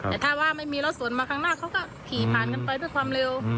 แต่ถ้าไม่มีล็อตสุดมาข้างหน้าเขาก็ขี่ผ่านไปด้วยความเร็ว